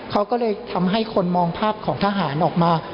เขาก็เลยทำให้คนมองภาพของทหารออกมา